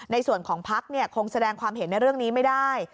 ในส่วนของพักคงแสดงความเห็นในเรื่องนี้ไม่ได้